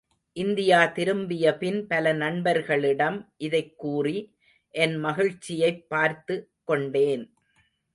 India திரும்பிய பின், பல நண்பர்களிடம் இதைக் கூறி, என் மகிழ்ச்சியைப் பகிர்த்து கொண்டேன்.